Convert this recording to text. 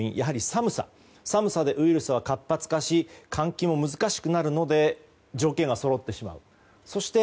寒さでウイルスは活発化し換気も難しくなるので条件がそろってしまう。